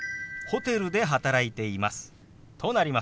ホテルで働いています。